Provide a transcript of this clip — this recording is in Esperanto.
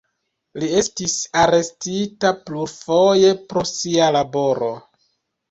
Li estis arestita plurfoje pro sia laboro.